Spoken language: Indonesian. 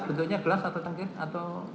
bentuknya gelas atau